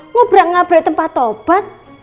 ngobrak ngabrak tempat obat